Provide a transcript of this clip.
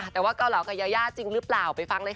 แต่ว่าเกาเหลากับยายาจริงหรือเปล่าไปฟังเลยค่ะ